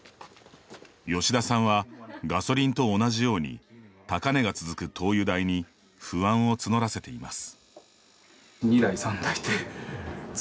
吉田さんはガソリンと同じように高値が続く灯油代に不安を募らせています。